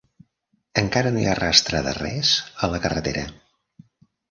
Encara no hi ha rastre de res a la carretera.